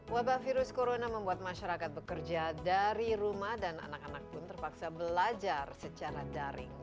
wabah virus corona membuat masyarakat bekerja dari rumah dan anak anak pun terpaksa belajar secara daring